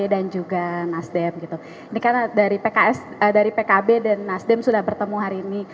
dan nasdem sudah bertemu hari ini